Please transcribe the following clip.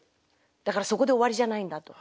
だからそこで終わりじゃないんだと。